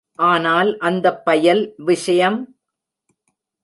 ஆனால் அந்தப் பயல் விஷயம்.....!